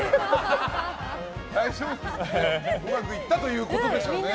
うまくいったということでしょうね。